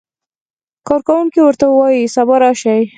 کارکوونکی ورته وایي سبا راشئ.